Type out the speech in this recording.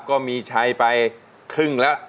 ก็มีชัยไปครึ่งและ